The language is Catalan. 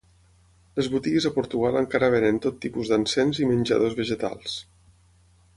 Les botigues a Portugal encara venen tot tipus d'encens i menjadors vegetals.